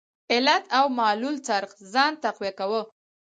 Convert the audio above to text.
علت او معلول څرخ ځان تقویه کاوه.